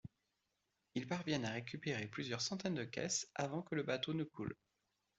Ils parviennent à récupérer plusieurs centaines de caisses avant que le bateau ne coule.